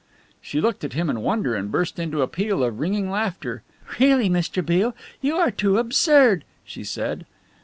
She looked at him in wonder and burst into a peal of ringing laughter. "Really, Mr. Beale, you are too absurd," she said.